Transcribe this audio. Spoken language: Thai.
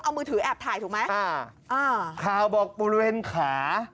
เอามือถือแอบถ่ายถูกไหมคราวบอกบริเวณขา